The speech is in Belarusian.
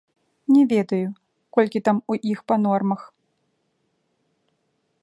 Не ведаю, колькі там у іх па нормах.